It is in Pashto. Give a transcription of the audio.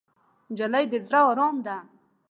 نجلۍ د زړه ارام ده.